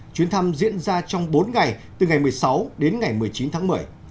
chuyến thăm diễn ra trong bốn ngày từ ngày một mươi sáu đến ngày một mươi chín tháng một mươi